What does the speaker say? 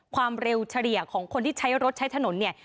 ความเร็วเฉลี่ยของคนที่ใช้รถใช้ถนนเนี่ย